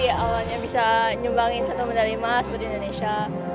tenang sih awalnya bisa menyumbangkan satu medali emas buat indonesia